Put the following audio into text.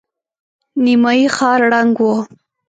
نيمايي ښار ړنګ و.